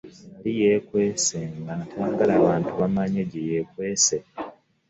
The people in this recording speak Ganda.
Yali yekwese nga tayagala bantu bamanye gye yekwese .